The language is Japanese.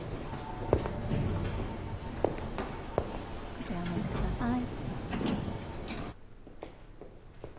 こちらお持ちください